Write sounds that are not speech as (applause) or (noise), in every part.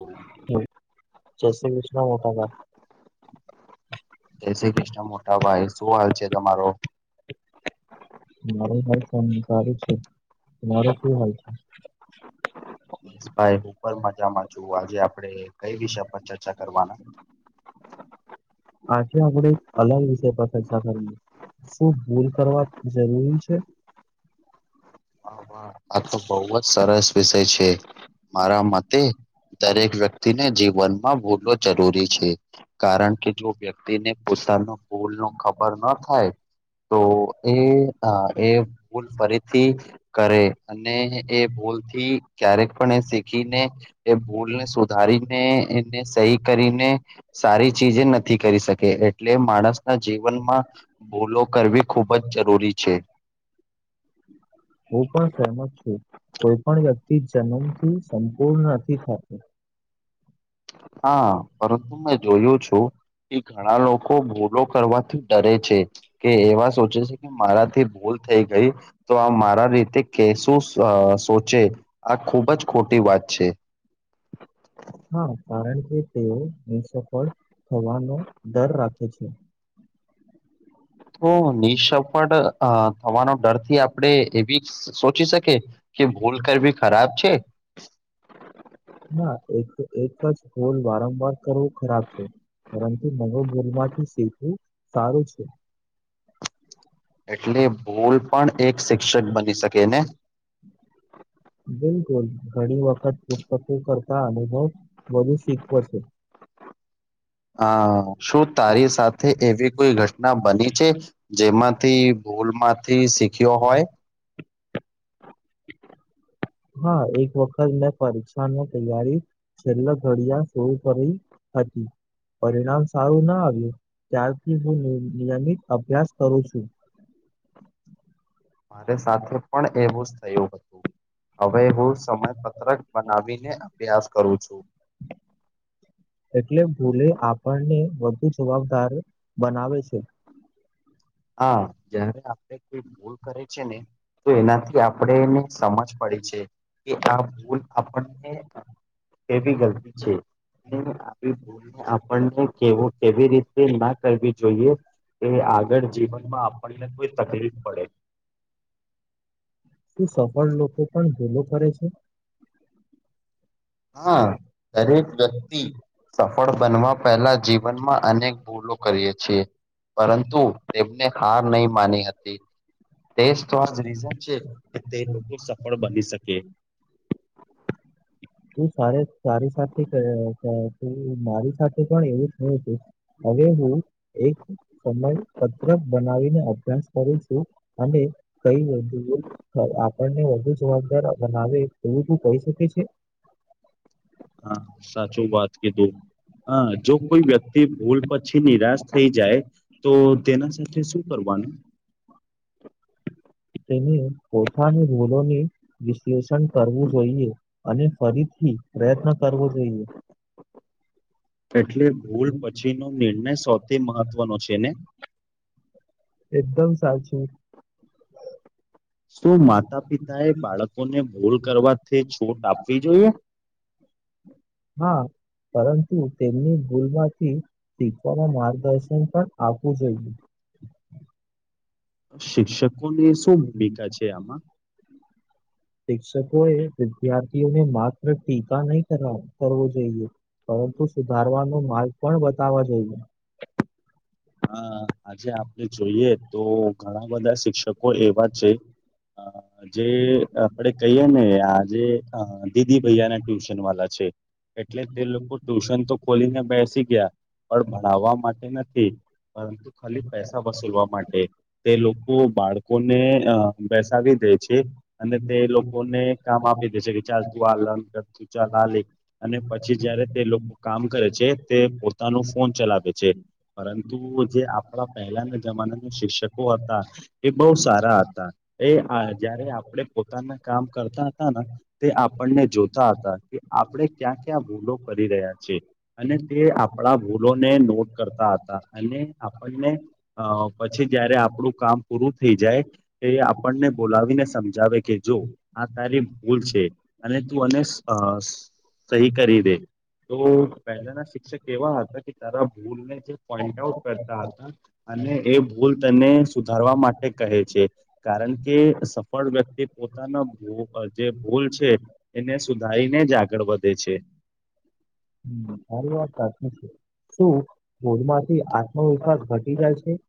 જય હ જેસી કૃષ્ણ ના મોટા ભાઈ. જય શ્રી કૃષ્ણ મોટા ભાઈ શું હાલ છે તમારો? મારો શું હાલ છે સારું છે મારો શું હાલ છે? ભાઈ હું પણ મજામાં છું આજે આપડે કઈ વિષય પર ચર્ચા કરવાના? આ જે આપણે અલગ વિષય પર ચર્ચા કરીએ. શું ભૂલ કરવા જરૂરી છે? વાહ વાહ આ તો બહુ જ સરસ વિષય છે. મારા મતે દરેક વ્યક્તિને જીવનમાં ભૂલો જરૂરી છે. કારણ કે જો વ્યક્તિને પોતાનો ભૂલ નો ખબર ન થાય. તો એ એ ભૂલ ફરીથી કરે અને એ ભૂલ થી ક્યારેક પણ એ શીખીને એ ભૂલને સુધારીને એને સહી કરીને સારી ચીજ એ નથી કરી શકે એટલે માણસના જીવનમાં ભૂલો કરવી ખુબ જ જરૂરી છે. હું પણ સહેમત છું કોઈ પણ વ્યક્તિ જન્મથી સંપૂર્ણ નથી થતો. હા પરંતુ મેં જોયું છું. એ ઘણા લોકો ભોલો કરવાથી ડરે છે. કે એવા સોચે છે કે મારાથી ભૂલ થઈ ગઈ. તો આ મારા રીતે કે શું સોચે આ ખુબ જ ખોટી વાત છે. હા કારણ કે તેઓ હમ સફળ થવાનો ડર રાખે છે. તો નિસફળ થવાનો ડરથી આપણે એવી સોચી શકી? કે ભૂલ કરવી ખરાબ છે. ના એક એક જ હોલ વારંવાર કરવું ખરાબ છે. પરંતુ નવુ બોલમાંથી શીખવું સારું છે. એટલે ભૂલ પણ એક શિક્ષક બની શકે ને. બિલકુલ ઘણી વખત પૂ કરતા અનુભવ વધુ શીખવો છે. હ શું આ- તારી સાથે એવી કોઈ ઘટના બની છે? જેમાંથી ભૂલ માંથી શીખ્યો હોય? હા એક વખત મેં પરીક્ષા ન તૈયારી છેલ્લા ઘડિયા શર કરી હતી. પરિણામ સારું ના આવ્યું ત્યારથી હું નિયમિત અભ્યાસ કરું છું. મારે સાથે પણ એવું જ થયું હતુ હવે હું સમયપત્રક બનાવીને અભ્યાસ કરું છું. એટલે ભૂલે આપણને વધુ જવાબદાર બનાવે છે. હા જયારે આપડ કોઈ ભૂલ કરે છેને તો એનાથી આપણેને સમજ પડી છે. કે આ ભૂલ આપણને એવી ગલતી છે. આપણનેવ કેવી રીતે ના કરવી જોઈએ કે આગળ જે જીન માં આપડીને કોઈ તકલીફ પડે શું સફળ લોકો પણ ભૂલો કરે છે. હા, દરેક વ્યક્તિ સફળ બનવા પહેલા જીવનમાં અનેક ભૂલો કરીએ છીએ પરંતુ તેમને હાર નહી, માની હતી તો રી છે કે તે લોકો સફળ બની શકે તું સારી સાથે મારી સાથે પણ એવું થયુ હવે હું એક સમય પત્રક બનાવીને અભ્યાસ કરું છુ. હે કઈુ આપણને વધુ જવાબદાર બનાવે એવું બું કહી શકે છે. હા, સાચું વાત કીધુ હ જો કોઈ વ્યક્તિ ભૂલ પછી નિરાશ થઈ જાય તો તેના સાથે શું કરવાનુ તેને પોતાાની ભૂલોને વિશ્લેષણ કરવું જોઈએ અને ફરીથી પ્રયત્ન કરવો જોઈએ એટલે ભૂલ પછી નો નિર્ણય સૌથી મહત્વનો છે ને એકદમ સાચુ શું માતા પિતા એ બાળકોને ભૂલ કરવાથી છોટ આપવી જોઈએ હા પરંતુ તેમની ભૂલમાંથી શીખવાવામાં માર્ગદર્શન પણ આપવું જોઈએ શિક્ષકો ની શું ભૂમિકા છે. આમાં શિક્ષકો એ વિદ્યાર્થીઓને માત્ર ટીકા નહી કર કરવો જોઈએ પરંતુ સુધારવાનો માર્ગ પણ બતાવવા જોઈએ હા, આજે આપણે જોઈએ. તો ઘણા બધા શિક્ષકો એવા છે. અ જે આપડે કહીએ ને આજે દીદી ભૈયાના ટ્યુશન વા છે એટલે તે લોકો ટ્યુશન તો ખોલીને બેસી ગયા પણ ભણાવવા માટે નથી પરંતુ ખાલી પૈસા વસૂલવા માટે તે લોકો બાળકોને અ બેસાવી દે છે. અને તે લોકોને કામ આપી દે છે. કે ચાલ તું આ લન કર તું ચાલ આ લે અને પછી જયારે તે લોકો કામ કરે છે. તે પોતાનું ફોન ચલાવે છે. પરુ જે આપણા પહેલાના જમાના ના શિક્ષકો હતા એ બહ સારા હતા એ જયારે આપણે પોતાના કામ કરતા હતા ને તે આપણને જોતા હતા કે આપણે ્યા ભૂલો કરી રહ્યા છે. અને તે આપણા ભૂલોને નોટ કરતા હતા અને આપણને પછી. જયારે આપણું કામ પૂરું થઈ જાય એ આપણને બોલાવીને સમજાવે કે જો આા તારી ભૂલ છે અને તું અને સહી કરી દે તો પહેલાના શિક્ષક એવા હતા કે તારા ભૂલને જે પોઈન્ટ આઉટ કરતા હતા અને એ ભૂલ તેને સુધારવા માટે કહે છે. કારણ કે સફળ વ્યક્તિ પોતાના જે ભૂલ છે. એને સુધારીને જ આગળ વધે છે. હમ્મ સારી વાત સાચી છે શું બોધમાંથી આત્મવિશ્વાસ ઘટી જાય છે.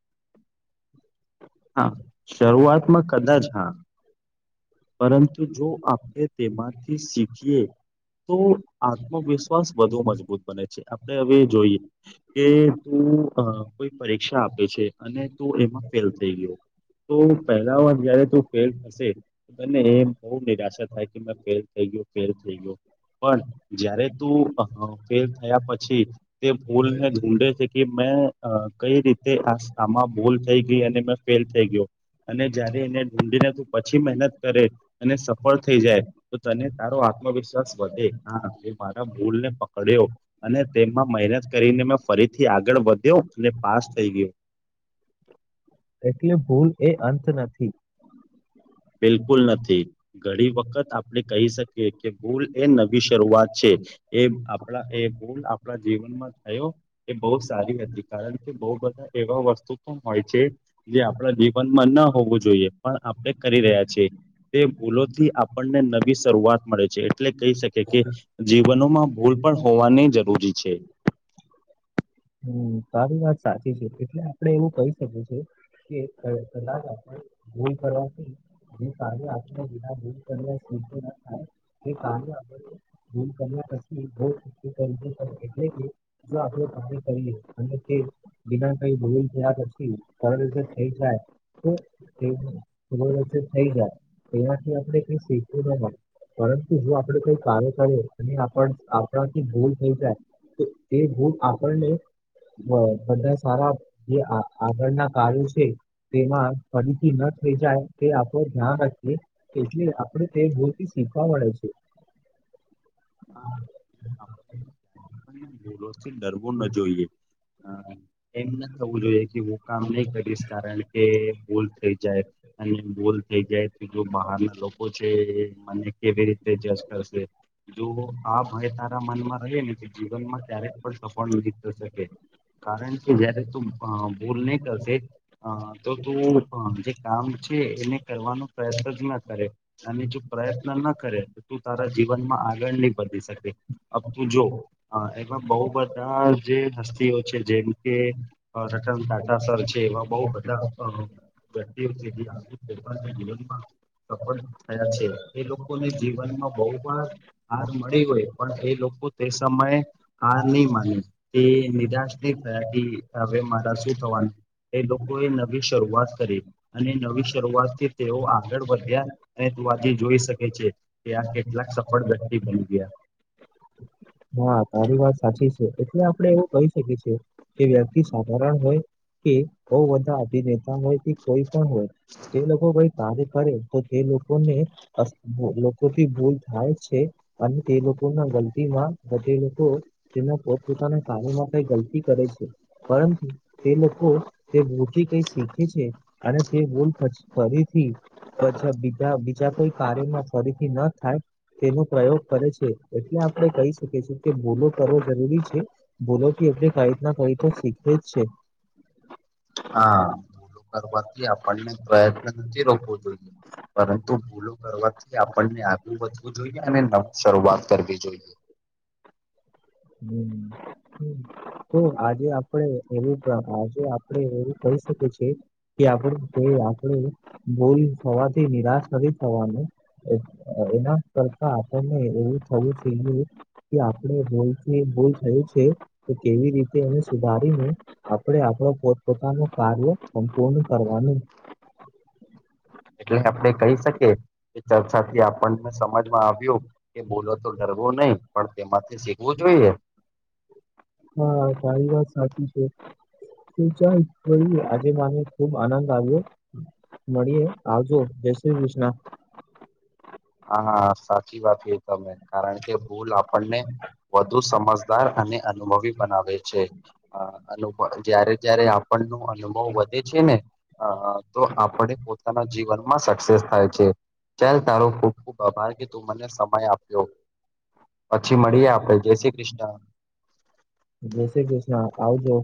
હા શરૂઆતમાં કદાચ હા પરંતુ જો આપણે તેમાંથી શીખીએ તો આત્મવિશ્વાસ વધુ મજબૂત બને છે આપણે હવે જોઈએ કે તું કોઈ અ પરીક્ષા આપે છે અને તું એમાં ફેલ થઈ ગયો તો પહેલાવાર જ્યારે તુ ફેલ થશે બને એ બઉ નિરાશા થાય કે મે ફેલ થઈ ગ્યો ફેલ થઈ ગ્યો પણ જયારે તું ફેલ થયા પછી તે ભૂલને ઢૂંઢે છે કે મેં કઈ રીતે આ સામાં ભૂલ થઈ ગઈ અને મે ફેલ થઈ ગ્યો અને જયારે એને ઢૂઢીને તું પછી મહેનત કરે અને સફળ થઈ જાય તો તને તારો આત્મવિશ્વાસ વધે હા એ મારા ભૂલ ને પકડ્યો અને તેમાં મહેનત કરીને મેં ફરીથી આગળ વધ્યો અને પાસ થઈ ગ્યો એટલે ભૂલ એ અંત નથી. બિલકુલ નથી. ઘણી વખત આપણે કહી શકીએ કે ભૂલ એ નવી શરૂઆત છે. એ આપણા એ બોલ આપણા જીવનમાં થયો એ બઉ સારી હતી કારણ કે બઉ બધા એવા વસ્તુ પણ હોય છે. જે આપણા જીવનમાં ન હોવું જોઈએ પણ આપણે કરી રહ્યા છીએ. તે ભૂલો થી આપણને નવી શરૂઆત મળે છે એટલે કહી શકે કે જીવનોમાં ભૂલ પણ હોવાની જરૂરી છે. હમ તારી વાત સાચી છે એટલે આપડે એવું કહી શકીએ છે કે ક કદાચ આપે ભૂલ કરવાથી જે કાર્ય વિના ભૂલ (inaudible) તે કાર્ય ભૂલ કર્યા પછી એ ભૂલ (unintelligible) એટલે કે જો આપણું કાર્ય કરીએ અને તે વિના કઈ ભૂલ ત્યાં નથી કારણ તે થઈ જાય તો તે ભૂલ વરચે થઈ જાય એમાંથી આપણે કઈ શીખવું ન પરંતુ જો આપણેે કોઈ કાર્ય કરિએ અને આપણ આપણા થી ભૂલ થઈ જાય તો એ ભૂલ આપણને બધા સારા જે આ આગળના કાર્યો છે તેમાં ઈ ન થઈ જાય તે આપણું ધ્યાન રાખીએ એટલે આપડે તે ભૂલથી શીખવા મળે છે. હા આપે (unintelligible) લો થી ડરવું ન જોઈએ. હ એમ ના થવું જોઈએ કે હું કામ નહી કરીશ કારણ કે ભૂલ થઈ જાય અને ભૂલ થઈ જાય તો જો બહારના લોકો છે એ મને કેવી રીતે જસ્ટ કરશે જો આ ભય તારા મનમાં રહે ને તો જીવનમાં ત્યારે જ પણ સફળ નથી થ શકે. કારણ કે જયારે તું અ ભૂલ નઈ કરશે અ તો તું ભ જે કામ છે એને કરવાનો પ્રયત્ન જ ના કરે અને જો પ્રયત્ન ન કરે તો તું તારા જીવનમાં આગળ નહી વધી શકે. અ તુ જો એમાં બહુ બધા જે હસ્તીઓ છે જેમકે રતન ટાટ સર છે એવા બહ બધા સઅ તેવું છે જે (unintelligible) પોતાના જીવનમાં સફળ થયા છે એ લોકો બી જીવનમાં બહુ પણ હાર મળી હોય પણ એ લોકો તે સમયે હાર ની માની તે નિરાશ નહી થયા કે હવે મારા શું થવાન એ લોકોએ નવી શરૂઆત કરી. અને નવી શરૂઆતથી તેઓ આગળ વધ્યા અને તું આજે જોઈ શકે છે. કેઆ કેટલાક સફળ વ્યક્તિ બની ગ્યા મા તારી વાત સાચી છે એટલે આપડે એવું કહી શકીએ છીએ કે વ્યક્તિ સાધારણ હોય કે બઉ બધા અભિનેતા હોય કે કોઈ પણ હોય તે લોકો પઇ તારે કરે તો તે લોકોને લોકોથી ભૂલ થાય છે. મને તે લોકો ના ગલ્તી માં તે લોકો તેના પોતપ પોતાના કારોમાં કઈ ગલતી કરે છે. પરંતુ તે લોકો તે ભુલ થી કઈ શીખે છે. અને તે બોલ ફરીથી પછી બીજા બીજા કોઈ કાર્યમાં ફરીથી ન થાય. તેનો પ્રયોગ કરે છે એટલે આપણે કહી શક કે છે કે બોલો કરવો જરૂરી છે બોલોથી એટલે કઈ ન કઈક તો શીખે જ છે. હા ભૂલો કરવાથી આપણને પ્રયત્ન નથી રોકવો જોઈએ. પરંતુ ભૂલો કરવાથી આપણને આગું વધવું જોઈએ અને નવી શરૂઆત કરવી જોઈએ. હમ હમ તો આજે આપડે એવું આજે આપડે એવું કહી શકીએ છીએ કે આપણે આપણે ભૂલ થવાથી નિરાશ નથી થવાનું એના કરતા આપણને એવું થવું જોઈ કે આપણે કી ભૂલ થયું છે તો કેવી રીતે એને સુધારીને આપડે આપડો પોતપોતાનું કાર્ય સંપૂર્ણ કરવાનું. એટલે આપણે કહી શકી કે ચર્ચા થી આપણને સમજમાં આવ્યું કે બોલો તો ડરવો નહી પણ તેમાંથી શીખવું જોઈએ. હા તારી વાત સાચી છે. ચલ ભઇ આજે માને ખુબ આનંદ આવ્યો મળીએે આવજો જય શ્રી કૃષ્ણ. હા સાચી વાત કહી તમે કારણ કે ભૂલ આપણને વધુ સમજદાર અને અનુભવી બનાવે છે. હ અનુભ જયારે જય્યારે આપણ નુ અનુભવ વધે છે ને તો આપણે પોતાના જીવનમાં સક્સેસ થાય છે ચલ તારો ખૂબ ખૂબ આભાર કે તું મને સમય આપ્યો પછી મળીએ આપડે જય શ્રી કૃષ્ણ. જયશ્રી કૃષ્ણ આવજો.